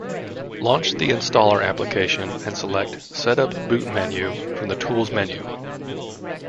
Launch the Installer application and select "Set up boot menu" from the Tools menu.